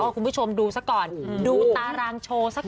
คุณผู้ชมดูซะก่อนดูตารางโชว์สักก่อน